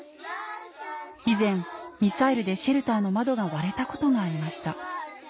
以前ミサイルでシェルターの窓が割れたことがありました